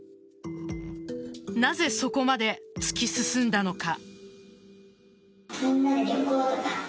なぜ、そこまで突き進んだのか。